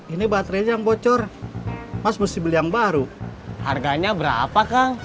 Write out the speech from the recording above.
ini baterainya yang bocor mas mesti beli yang baru harganya berapa kang